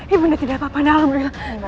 ibu nda tidak apa apa alhamdulillah